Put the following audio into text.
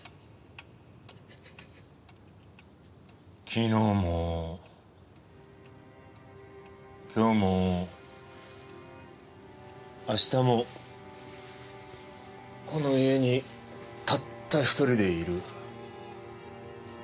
昨日も今日も明日もこの家にたった一人でいる。